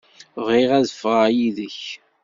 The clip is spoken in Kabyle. Bɣiɣ ad ffɣeɣ yid-k.